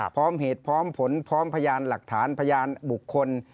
พร้อมเหตุพร้อมผลพร้อมพยานหลักฐานพยานบุคคล